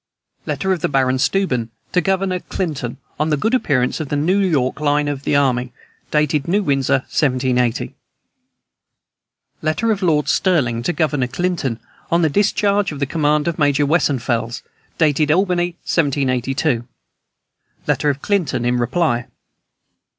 Letter of the Baron Steuben to Governor Clinton on the good appearance of the New York line of the army. Dated New Windsor, 1780. Letter of Lord Stirling to Governor Clinton on the discharge of the command of Major Wessenfells. Dated Albany, 1782. Letter of Clinton in reply.